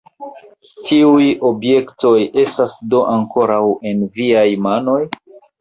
Tiuj objektoj estas do ankoraŭ en viaj manoj?